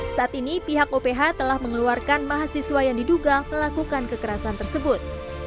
saat ini pihak oph telah mengeluarkan mahasiswa yang diduga melakukan kekerasan tersebut